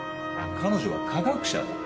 彼女は化学者だ。